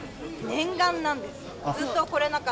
念願なんです。